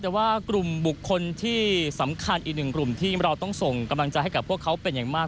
แต่ว่ากลุ่มบุคคลที่สำคัญอีกหนึ่งกลุ่มที่เราต้องส่งกำลังใจให้กับพวกเขาเป็นอย่างมาก